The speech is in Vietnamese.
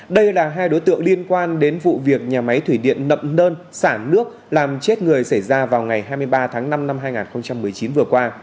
đây là hai đối tượng liên quan đến vụ việc nhà máy thủy điện nậm đơn sản nước làm chết người xảy ra vào ngày hai mươi ba tháng năm năm hai nghìn một mươi chín vừa qua